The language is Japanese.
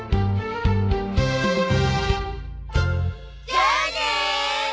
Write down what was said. じゃあね！